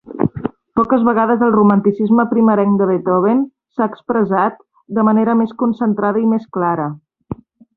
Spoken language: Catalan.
Poques vegades el romanticisme primerenc de Beethoven s'ha expressat de manera més concentrada i més clara.